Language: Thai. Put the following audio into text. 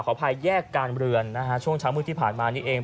อภัยแยกการเรือนนะฮะช่วงเช้ามืดที่ผ่านมานี่เอง